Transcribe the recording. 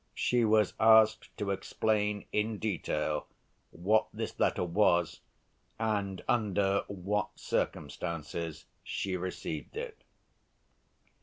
She was asked to explain in detail what this letter was and under what circumstances she received it.